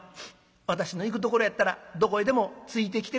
私の行くところやったらどこへでもついてきてくれるか？」。